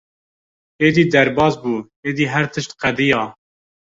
“Êdî derbas bû, êdî her tişt qediya!”